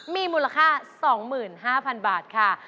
มีมูลค่า๒๕๐๐๐บาทค่ะ